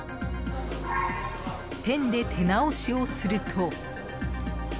ペンで手直しをすると。